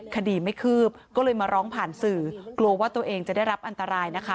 คดีไม่คืบก็เลยมาร้องผ่านสื่อกลัวว่าตัวเองจะได้รับอันตรายนะคะ